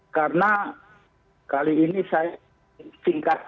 karena kali ini saya singkatkan